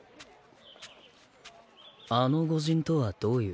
あのご仁とはどういう。